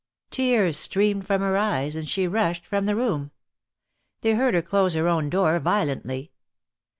Tears streamed from her eyes, and she rushed from the room. They heard her close her own door violently.